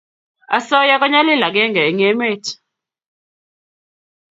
asoya ko nyalil agenge eng emet